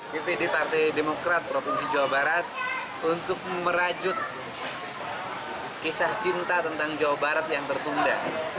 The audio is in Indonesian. dpd partai demokrat provinsi jawa barat untuk merajut kisah cinta tentang jawa barat yang tertunda